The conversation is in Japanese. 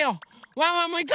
ワンワンもいく！